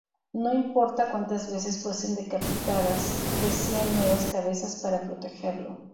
No importa cuantas veces fuesen decapitadas, crecían nuevas cabezas para protegerlo.